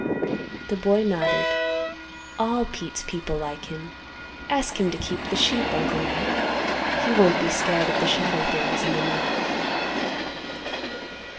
The boy nodded. "All Pete's people like him. Ask him to keep the sheep, Uncle Matt. He won't be scared at the shadow things in the night."